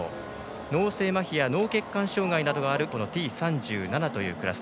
脳性まひや脳血管障がいなどがあるＴ３７というクラス。